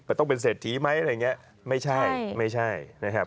มันต้องเป็นเศรษฐีไหมอะไรอย่างนี้ไม่ใช่นะครับ